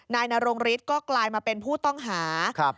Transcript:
นายนรงฤทธิ์ก็กลายมาเป็นผู้ต้องหา